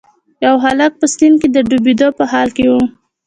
یو هلک په سیند کې د ډوبیدو په حال کې و.